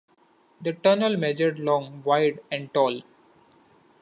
The tunnel measured long, wide, and tall.